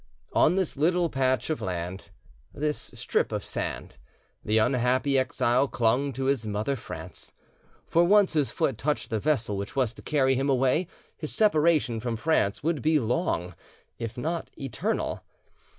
On this little patch of land, this strip of sand, the unhappy exile clung to his mother France, for once his foot touched the vessel which was to carry him away, his separation from France would be long, if not eternal.